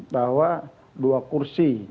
bahwa dua kursi